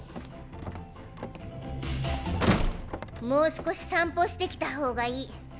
もう少し散歩してきた方がいい。